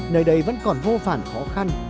nơi đây vẫn còn vô phản khó khăn